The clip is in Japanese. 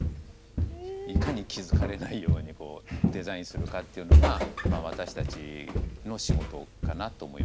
いかに気付かれないようにこうデザインするかっていうのが私たちの仕事かなと思いますね。